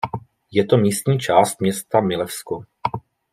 Je to místní část města Milevsko.